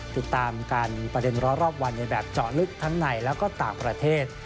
ติดตามการประเด็นร้อนรอบวันในแบบเจาะลึกทั้งในแล้วก็ต่างประเทศ